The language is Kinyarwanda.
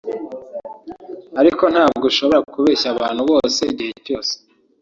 ariko ntabwo ushobora kubeshya abantu bose igihe cyose